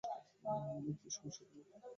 কী সমস্যা তোমার?